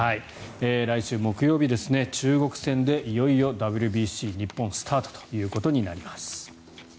来週木曜日、中国戦でいよいよＷＢＣ日本、スタートということになります。